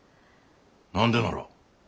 何でなら。